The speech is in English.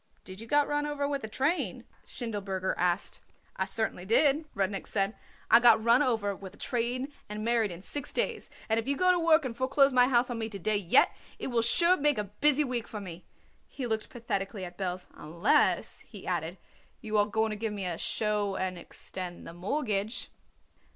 "Did you got run over with a train?" Schindelberger asked. "I certainly did," Rudnik said. "I got run over with a train and married in six days, and if you go to work and foreclose my house on me to day yet, it will sure make a busy week for me." He looked pathetically at Belz. "Unless," he added, "you are going to give me a show and extend the mortgage."